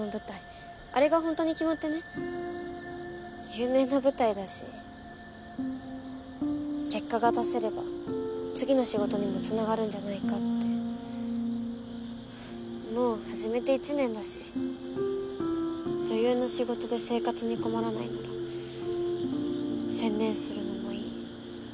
有名な舞台だし結果が出せれば次の仕事にもつながるんじゃないかってもう始めて１年だし女優の仕事で生活に困らないなら専念するのもいい